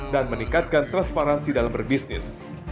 dan meningkatkan transparansi dalam berbisnis